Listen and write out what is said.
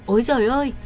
ôi giời ơi